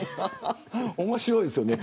面白いですよね